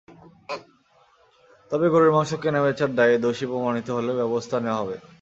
তবে গরুর মাংস কেনাবেচার দায়ে দোষী প্রমাণিত হলেও ব্যবস্থা নেওয়া হবে।